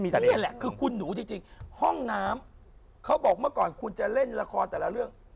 แต่นี่แหละคือคุณหนูจริงห้องน้ำเขาบอกเมื่อก่อนคุณจะเล่นละครแต่ละเรื่อง